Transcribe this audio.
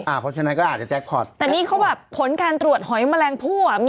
เพราะฉะนั้นก็อาจจะแจ็คพอร์ตแต่นี่เขาแบบผลการตรวจหอยแมลงผู้อ่ะ